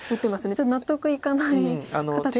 ちょっと納得いかない。